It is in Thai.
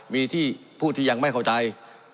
มีที่ผู้ที่ยังไม่เข้าใจ